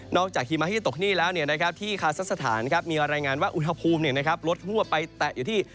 นอกจากหิมะที่จัดการก็มีรายงานว่าอุณหภูมิลด่วนไปอยู่ที่